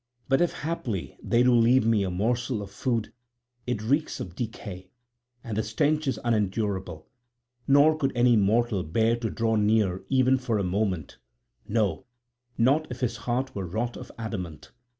But if haply they do leave me a morsel of food it reeks of decay and the stench is unendurable, nor could any mortal bear to draw near even for a moment, no, not if his heart were wrought of adamant.